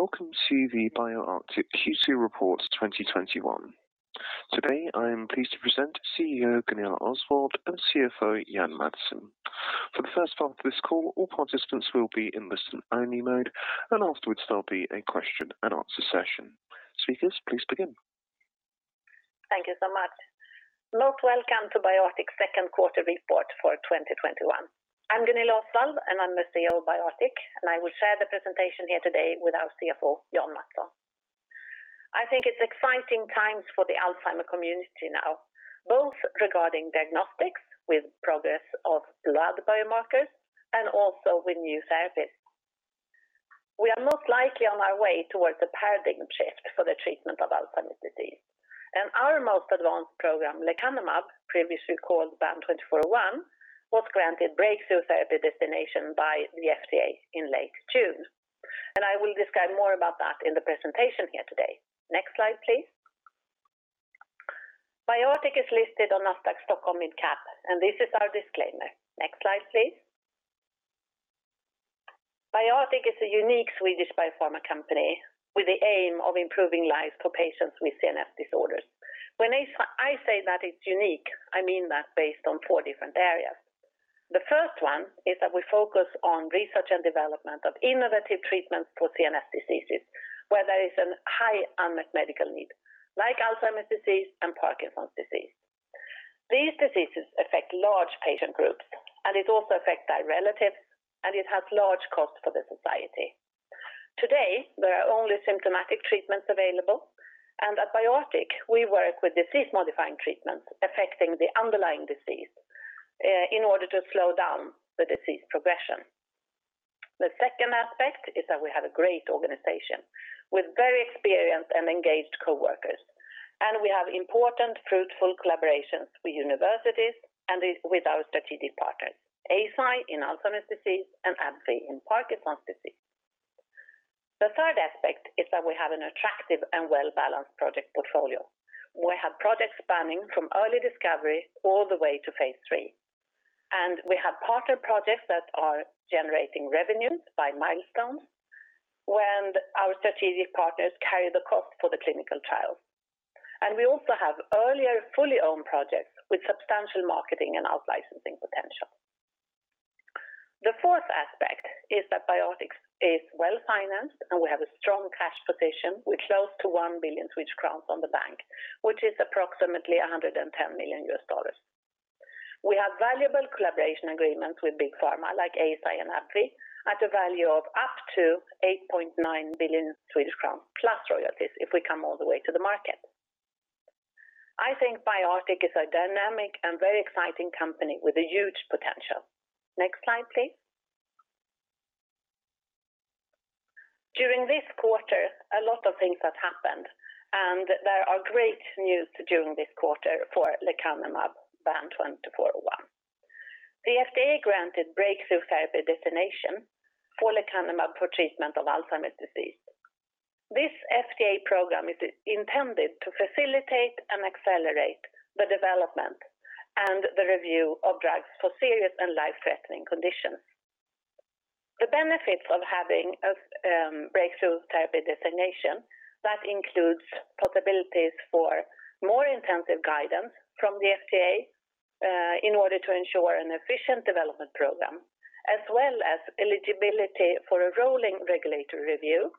Welcome to the BioArctic Q2 report 2021. Today, I am pleased to present CEO Gunilla Osswald and CFO Jan Mattsson. For the first half of this call, all participants will be in listen-only mode, and afterwards there'll be a question and answer session. Speakers, please begin. Thank you so much. Most welcome to BioArctic's Q2 report for 2021. I'm Gunilla Osswald, and I'm the CEO of BioArctic, and I will share the presentation here today with our CFO, Jan Mattsson. I think it's exciting times for the Alzheimer's community now, both regarding diagnostics with progress of blood biomarkers and also with new therapies. We are most likely on our way towards a paradigm shift for the treatment of Alzheimer's disease. Our most advanced program, lecanemab, previously called BAN2401, was granted Breakthrough Therapy designation by the FDA in late June. I will describe more about that in the presentation here today. Next slide, please. BioArctic is listed on Nasdaq Stockholm Mid Cap, and this is our disclaimer. Next slide, please. BioArctic is a unique Swedish biopharma company with the aim of improving lives for patients with CNS disorders. When I say that it's unique, I mean that based on four different areas. The first one is that we focus on research and development of innovative treatments for CNS diseases, where there is a high unmet medical need, like Alzheimer's disease and Parkinson's disease. These diseases affect large patient groups, it also affects their relatives, and it has large costs for the society. Today, there are only symptomatic treatments available, at BioArctic, we work with disease-modifying treatments affecting the underlying disease in order to slow down the disease progression. The second aspect is that we have a great organization with very experienced and engaged coworkers, we have important fruitful collaborations with universities and with our strategic partners, Eisai in Alzheimer's disease and AbbVie in Parkinson's disease. The third aspect is that we have an attractive and well-balanced project portfolio. We have projects spanning from early discovery all the way to phase III, and we have partner projects that are generating revenues by milestones when our strategic partners carry the cost for the clinical trial. We also have earlier fully owned projects with substantial marketing and out-licensing potential. The fourth aspect is that BioArctic is well-financed, and we have a strong cash position with close to 1 billion Swedish crowns in the bank, which is approximately $110 million. We have valuable collaboration agreements with big pharma like Eisai and AbbVie at a value of up to 8.9 billion Swedish crowns plus royalties if we come all the way to the market. I think BioArctic is a dynamic and very exciting company with huge potential. Next slide, please. During this quarter, a lot of things have happened, and there are great news during this quarter for lecanemab BAN2401. The FDA granted Breakthrough Therapy designation for lecanemab for treatment of Alzheimer's disease. This FDA program is intended to facilitate and accelerate the development and the review of drugs for serious and life-threatening conditions. The benefits of having a Breakthrough Therapy designation includes possibilities for more intensive guidance from the FDA in order to ensure an efficient development program, as well as eligibility for a rolling regulatory review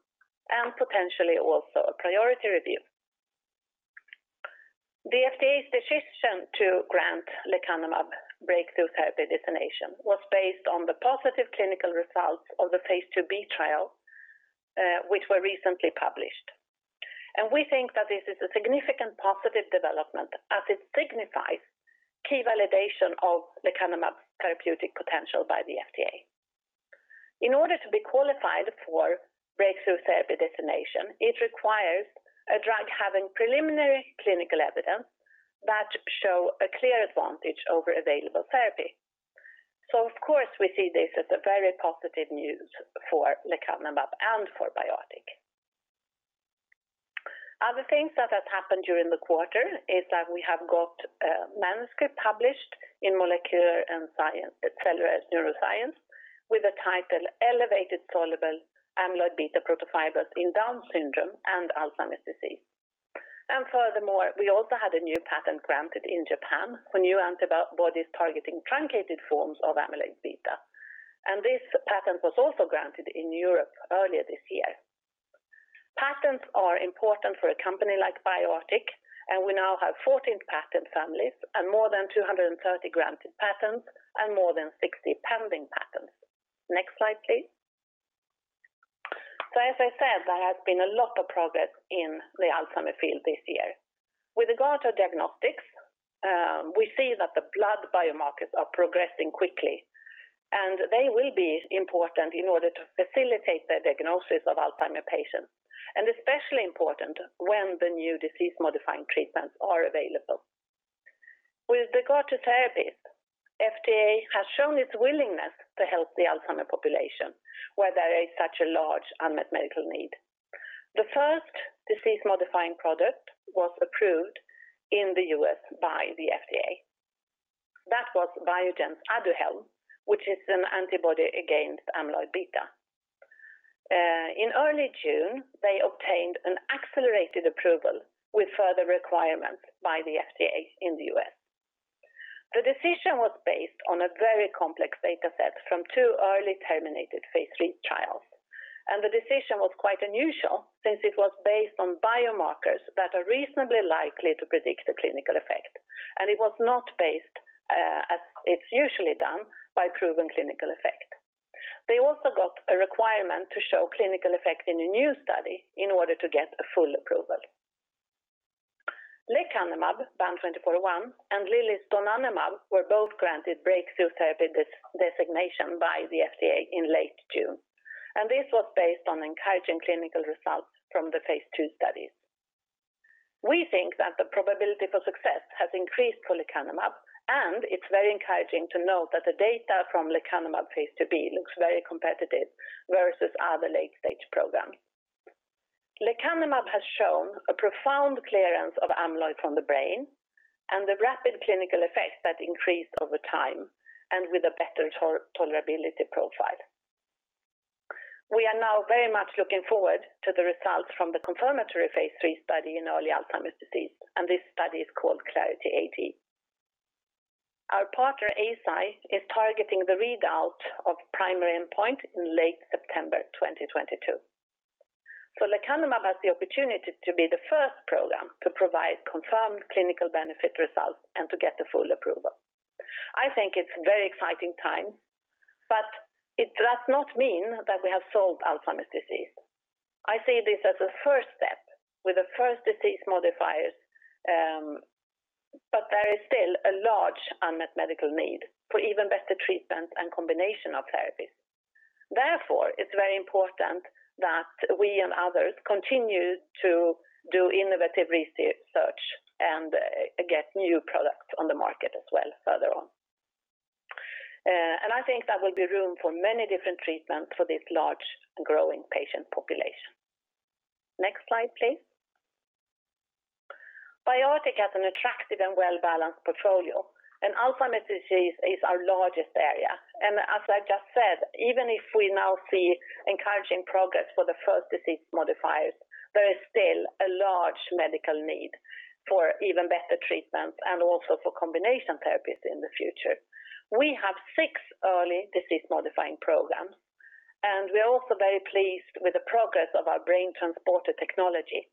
and potentially also a priority review. The FDA's decision to grant lecanemab Breakthrough Therapy designation was based on the positive clinical results of the phase II-B trial, which were recently published. We think that this is a significant positive development as it signifies key validation of lecanemab's therapeutic potential by the FDA. In order to be qualified for Breakthrough Therapy designation, it requires a drug having preliminary clinical evidence that show a clear advantage over available therapy. Of course, we see this as very positive news for lecanemab and for BioArctic. Other things that have happened during the quarter is that we have got a manuscript published in Molecular and Cellular Neuroscience with the title "Elevated Soluble amyloid-beta Propeptides in Down syndrome and Alzheimer's disease." Furthermore, we also had a new patent granted in Japan for new antibodies targeting truncated forms of amyloid beta. This patent was also granted in Europe earlier this year. Patents are important for a company like BioArctic, and we now have 14 patent families and more than 230 granted patents and more than 60 pending patents. Next slide, please. As I said, there has been a lot of progress in the Alzheimer field this year. With regard to diagnostics, we see that the blood biomarkers are progressing quickly, and they will be important in order to facilitate the diagnosis of Alzheimer's patients, and especially important when the new disease-modifying treatments are available. With regard to therapies, FDA has shown its willingness to help the Alzheimer's population, where there is such a large unmet medical need. The first disease-modifying product was approved in the U.S. by the FDA. That was Biogen's ADUHELM, which is an antibody against amyloid beta. In early June, they obtained an accelerated approval with further requirements by the FDA in the U.S. The decision was based on a very complex data set from two early terminated phase III trials. The decision was quite unusual since it was based on biomarkers that are reasonably likely to predict the clinical effect, and it was not based, as it's usually done, by proven clinical effect. They also got a requirement to show clinical effect in a new study in order to get a full approval. Lecanemab, BAN2401, and Lilly's donanemab were both granted Breakthrough Therapy designation by the FDA in late June. This was based on encouraging clinical results from the phase II studies. We think that the probability for success has increased for lecanemab, and it's very encouraging to note that the data from lecanemab phase II-B looks very competitive versus other late-stage programs. Lecanemab has shown a profound clearance of amyloid from the brain and the rapid clinical effect that increased over time and with a better tolerability profile. We are now very much looking forward to the results from the confirmatory phase III study in early Alzheimer's disease. This study is called Clarity AD. Our partner Eisai is targeting the readout of the primary endpoint in late September 2022. Lecanemab has the opportunity to be the first program to provide confirmed clinical benefit results and to get the full approval. I think it's a very exciting time, but it does not mean that we have solved Alzheimer's disease. I see this as a first step with the first disease modifiers, but there is still a large unmet medical need for even better treatments and combination of therapies. Therefore, it's very important that we and others continue to do innovative research and get new products on the market as well further on. I think there will be room for many different treatments for this large growing patient population. Next slide, please. BioArctic has an attractive and well-balanced portfolio, and Alzheimer's disease is our largest area. As I just said, even if we now see encouraging progress for the first disease modifiers, there is still a large medical need for even better treatments and also for combination therapies in the future. We have six early disease modifying programs, and we are also very pleased with the progress of our BrainTransporter technology,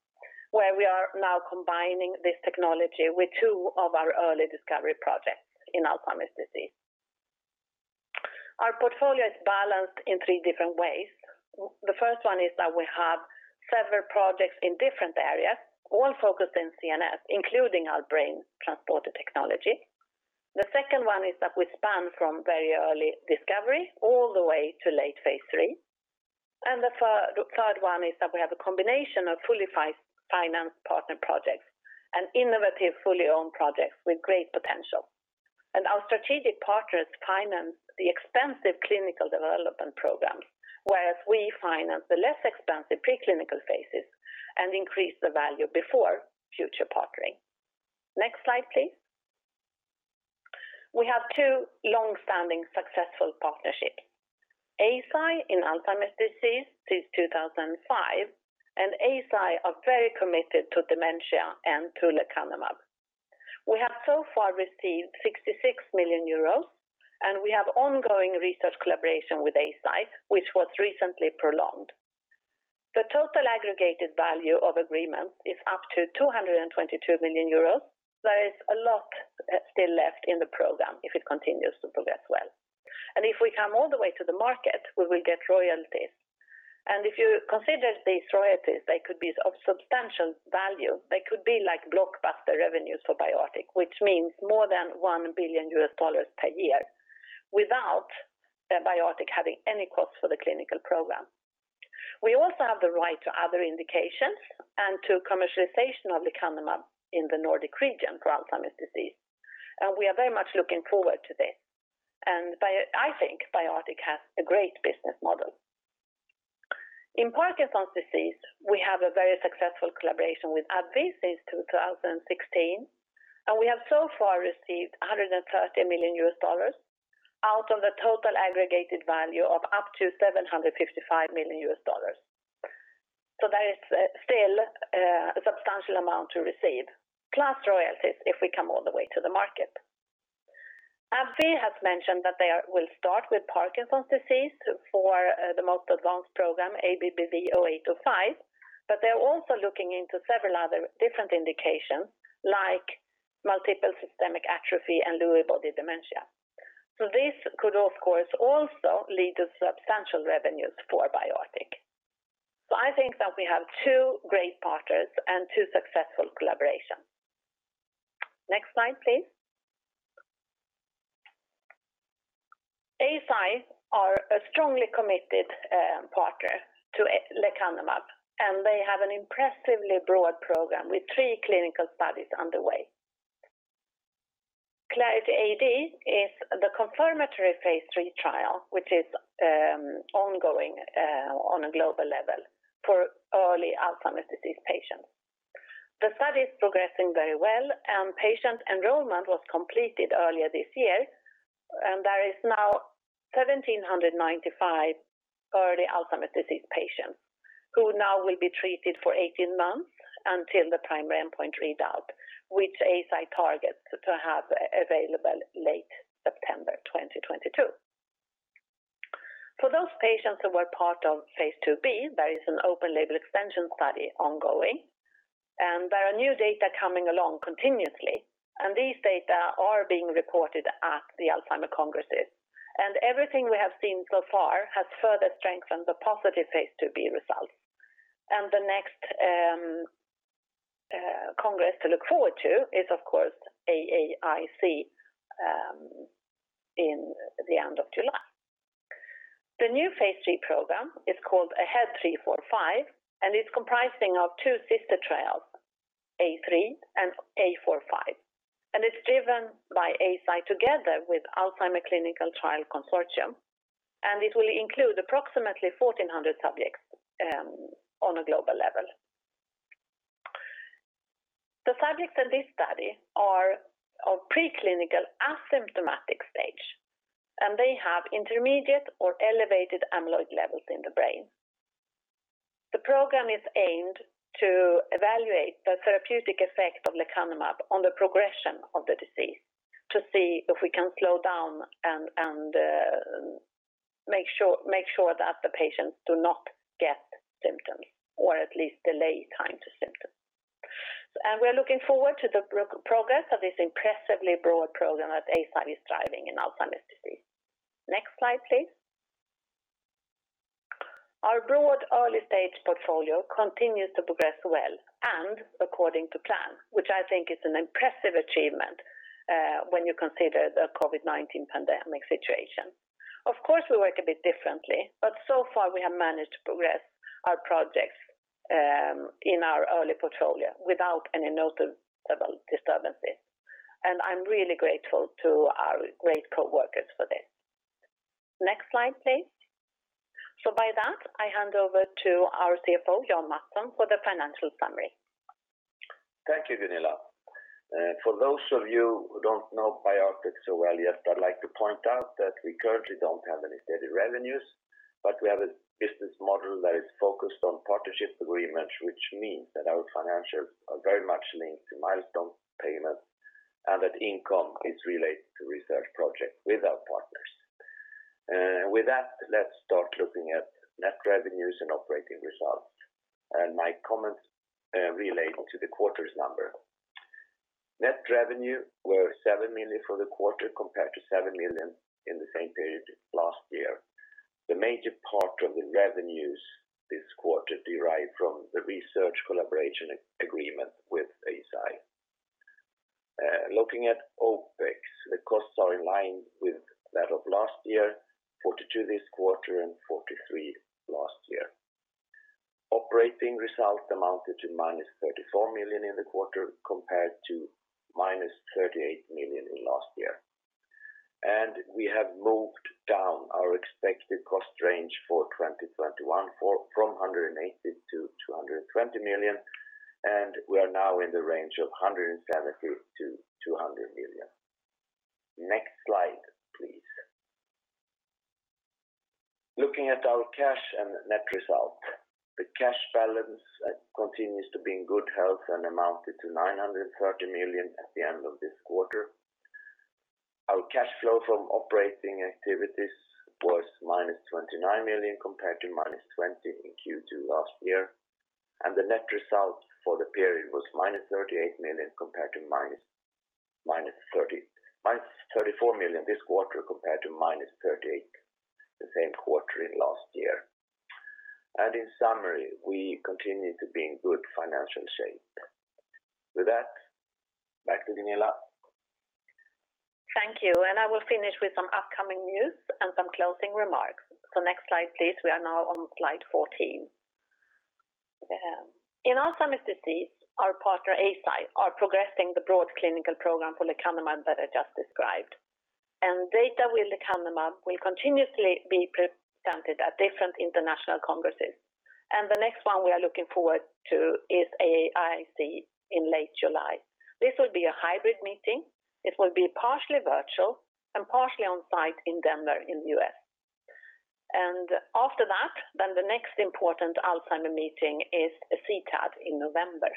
where we are now combining this technology with two of our early discovery projects in Alzheimer's disease. Our portfolio is balanced in three different ways. The first one is that we have several projects in different areas, all focused in CNS, including our BrainTransporter technology. The second one is that we span from very early discovery all the way to late phase III. The third one is that we have a combination of fully financed partner projects and innovative, fully owned projects with great potential. Our strategic partners finance the expensive clinical development programs, whereas we finance the less expensive preclinical phases and increase the value before future partnering. Next slide, please. We have two longstanding successful partnerships. Eisai in Alzheimer's disease since 2005, and Eisai are very committed to dementia and to lecanemab. We have so far received 66 million euros, and we have ongoing research collaboration with Eisai, which was recently prolonged. The total aggregated value of agreements is up to 222 million euros. There is a lot still left in the program if it continues to progress well. If we come all the way to the market, we will get royalties. If you consider these royalties, they could be of substantial value. They could be like blockbuster revenues for BioArctic, which means more than $1 billion per year without BioArctic having any cost for the clinical program. We also have the right to other indications and to commercialization of lecanemab in the Nordic region for Alzheimer's disease. We are very much looking forward to this. I think BioArctic has a great business model. In Parkinson's disease, we have a very successful collaboration with AbbVie since 2016, and we have so far received $130 million out of the total aggregated value of up to $755 million. There is still a substantial amount to receive plus royalties if we come all the way to the market. AbbVie has mentioned that they will start with Parkinson's disease for the most advanced program, ABBV-0805, but they're also looking into several other different indications like multiple system atrophy and Lewy body dementia. This could, of course, also lead to substantial revenues for BioArctic. I think that we have two great partners and two successful collaborations. Next slide, please. Eisai are a strongly committed partner to lecanemab, and they have an impressively broad program with three clinical studies underway. Clarity AD is the confirmatory phase III trial, which is ongoing on a global level for early Alzheimer's disease patients. The study is progressing very well, and patient enrollment was completed earlier this year. There is now 1,795 early Alzheimer's disease patients who now will be treated for 18 months until the primary endpoint readout, which Eisai targets to have available late September 2022. For those patients who were part of phase II-B, there is an open label extension study ongoing, and there are new data coming along continuously. These data are being reported at the Alzheimer congresses. Everything we have seen so far has further strengthened the positive phase II-B results. The next congress to look forward to is, of course, AAIC in the end of July. The new phase III program is called AHEAD 3-45 and is comprising of two sister trials, A3 and A45. It's driven by Eisai together with Alzheimer's Clinical Trials Consortium, and it will include approximately 1,400 subjects on a global level. The subjects in this study are of preclinical asymptomatic stage, and they have intermediate or elevated amyloid levels in the brain. The program is aimed to evaluate the therapeutic effect of lecanemab on the progression of the disease to see if we can slow down and make sure that the patients do not get symptoms, or at least delay time to symptoms. We are looking forward to the progress of this impressively broad program that Eisai is driving in Alzheimer's disease. Next slide, please. Our broad early-stage portfolio continues to progress well and according to plan, which I think is an impressive achievement when you consider the COVID-19 pandemic situation. Of course, we work a bit differently. So far we have managed to progress our projects in our early portfolio without any notable disturbances. I'm really grateful to our grateful workers for this. Next slide, please. By that, I hand over to our CFO, Jan Mattsson, for the financial summary. Thank you, Gunilla. For those of you who don't know BioArctic so well yet, I'd like to point out that we currently don't have any steady revenues. We have a business model that is focused on partnership agreements, which means that our financials are very much linked to milestone payments and that income is related to research projects with our partners. With that, let's start looking at net revenues and operating results. My comments relate to the quarter's number. Net revenue were 7 million for the quarter compared to 7 million in the same period as last year. The major part of the revenues this quarter derive from the research collaboration agreement with Eisai. Looking at OpEx, the costs are in line with that of last year, 42 million this quarter and 43 million last year. Operating results amounted to minus 34 million in the quarter compared to minus 38 million last year. We have moved down our expected cost range for 2021 from 180 million-220 million, and we are now in the range of 170 million-200 million. Next slide, please. Looking at our cash and net result. The cash balance continues to be in good health and amounted to 930 million at the end of this quarter. Our cash flow from operating activities was minus 29 million compared to minus 20 million in Q2 last year, and the net result for the period was minus 34 million this quarter compared to minus 38 million the same quarter in last year. In summary, we continue to be in good financial shape. With that, back to Gunilla. Thank you. I will finish with some upcoming news and some closing remarks. Next slide, please. We are now on slide 14. In Alzheimer's disease, our partner, Eisai, are progressing the broad clinical program for lecanemab that I just described. Data with lecanemab will continuously be presented at different international congresses. The next one we are looking forward to is AAIC in late July. This will be a hybrid meeting. It will be partially virtual and partially on site in Denver in the U.S. After that, the next important Alzheimer's meeting is CTAD in November.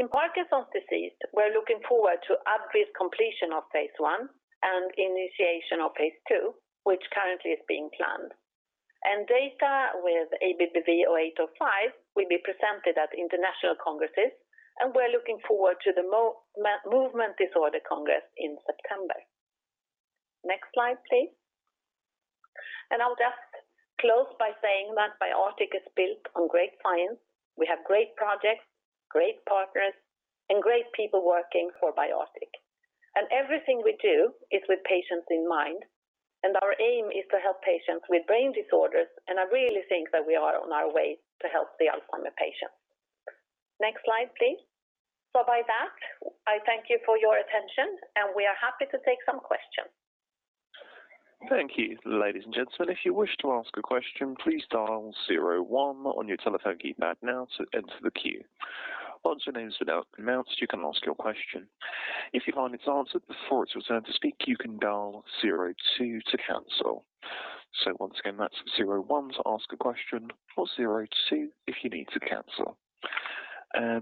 In Parkinson's disease, we are looking forward to agreed completion of phase I and initiation of phase II, which currently is being planned. Data with ABBV-0805 will be presented at international congresses, and we are looking forward to the Movement Disorders Congress in September. Next slide, please. I'll just close by saying that BioArctic is built on great science. We have great projects, great partners, and great people working for BioArctic. Everything we do is with patients in mind. Our aim is to help patients with brain disorders, and I really think that we are on our way to help the Alzheimer's patients. Next slide, please. By that, I thank you for your attention, and we are happy to take some questions. Thank you. Ladies and gentlemen, if you wish to ask a question, please dial zero one on your telephone keypad now to enter the queue. Once your name is announced, you can ask your question. If you find it answered before it's announced, you can dial zero two to cancel. Once again, that's zero one to ask a question or zero two if you need to cancel.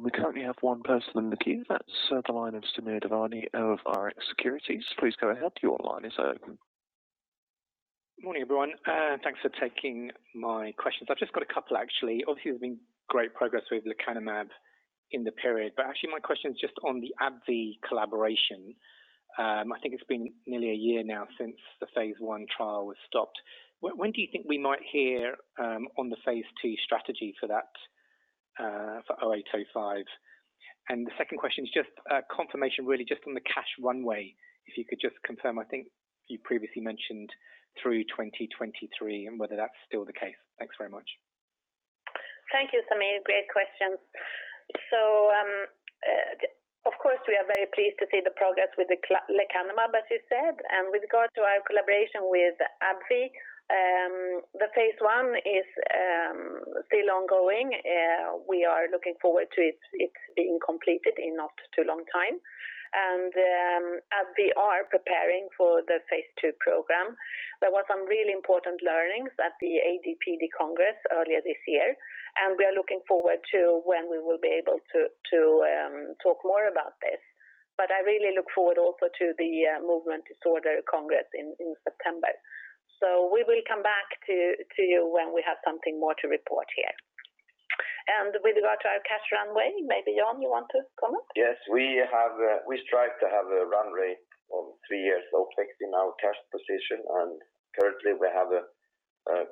We currently have one person in the queue. That's the line of Samir Devani of Rx Securities. Please go ahead. Your line is open. Morning, everyone. Thanks for taking my questions. I've just got a couple, actually. Obviously, there's been great progress over lecanemab in the period. Actually my question is just on the AbbVie collaboration. I think it's been nearly a year now since the phase I trial was stopped. When do you think we might hear on the phase II strategy for that for 0805? The second question is just confirmation, really, just on the cash runway. If you could just confirm, I think you previously mentioned through 2023, and whether that's still the case. Thanks very much. Thank you, Samir. Great questions. Of course, we are very pleased to see the progress with lecanemab, as you said. With regard to our collaboration with AbbVie, the phase I is still ongoing. We are looking forward to it being completed in not too long time. AbbVie are preparing for the phase II program. There were some really important learnings at the AD/PD congress earlier this year, and we are looking forward to when we will be able to talk more about this. I really look forward also to the Movement Disorders Congress in September. We will come back to you when we have something more to report here. With regard to our cash runway, maybe Jan, you want to comment? Yes. We strive to have a runway of three years of fixing our cash position, and currently we have a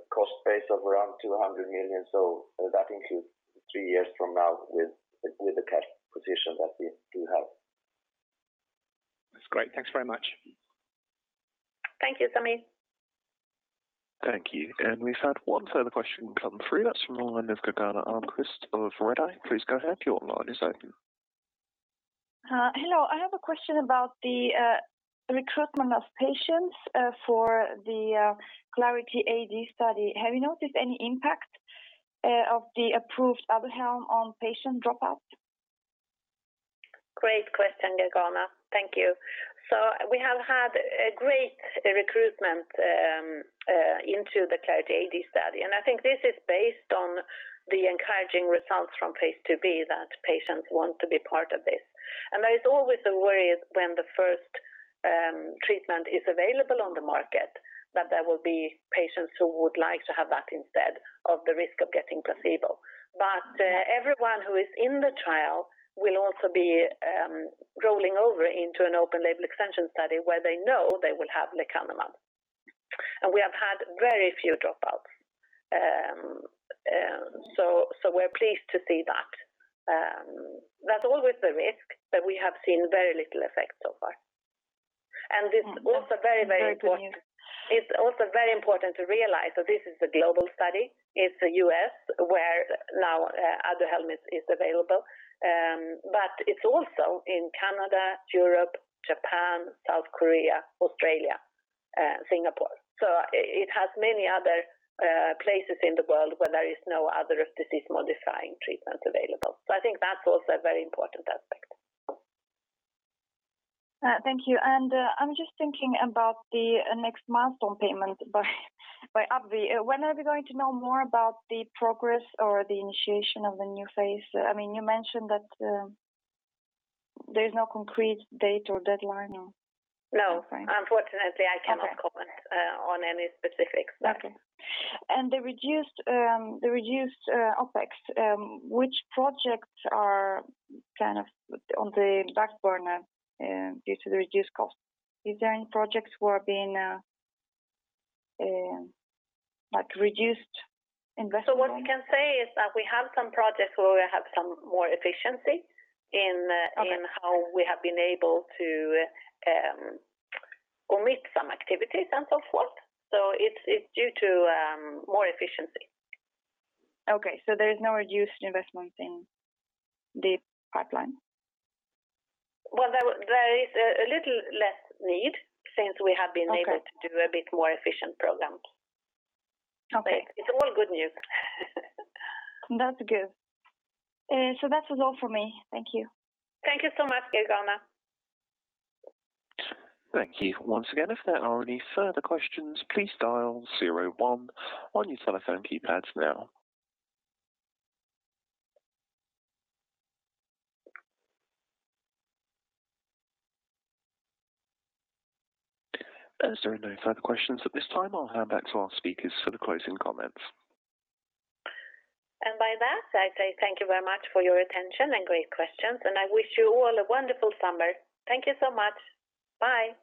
cost base of around 200 million, so that includes three years from now with the cash position that we do have. That's great. Thanks very much. Thank you, Samir. Thank you. We've had one further question come through. That's from the line of [Gergana Almquist] of Eurodia. Please go ahead. Your line is open. Hello. I have a question about the recruitment of patients for the Clarity AD study. Have you noticed any impact of the approved ADUHELM on patient drop-offs? Great question, [Gergana]. Thank you. We have had a great recruitment into the Clarity AD study. I think this is based on the encouraging results from phase II-B that patients want to be part of this. There's always a worry when the first treatment is available on the market that there will be patients who would like to have that instead of the risk of getting placebo. Everyone who is in the trial will also be rolling over into an open-label extension study where they know they will have lecanemab. We have had very few dropouts. We're pleased to see that. There's always a risk, but we have seen very little effect so far. It's also very important to realize that this is a global study. It's the U.S. where now ADUHELM is available. It's also in Canada, Europe, Japan, South Korea, Australia, Singapore. It has many other places in the world where there is no other disease-modifying treatment available. I think that's also a very important aspect. Thank you. I'm just thinking about the next milestone payment by AbbVie. When are we going to know more about the progress or the initiation of the new phase? You mentioned that there's no concrete date or deadline. No, unfortunately, I cannot comment on any specifics. Okay. The reduced OpEx, which projects are on the back burner due to the reduced cost? Is there any projects who are being reduced investment? What we can say is that we have some projects where we have some more efficiency in how we have been able to omit some activities and so forth. It's due to more efficiency. Okay. There's no reduced investment in the pipeline? Well, there is a little less need since we have been able to do a bit more efficient program. Okay. It's all good news. That's good. That's all for me. Thank you. Thank you so much, [Gergana]. Thank you. Once again, if there are any further questions, please dial zero one on your telephone keypad now. There are no further questions at this time, I'll hand back to our speakers for the closing comments. By that, I say thank you very much for your attention and great questions. I wish you all a wonderful summer. Thank you so much. Bye.